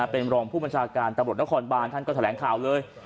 เป็นรองผู้บัญชาการตำรวจนครบานท่านก็แถลงข่าวเลย